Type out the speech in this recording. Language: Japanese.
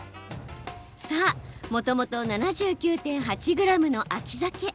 さあ、もともと７９．８ｇの秋ザケ。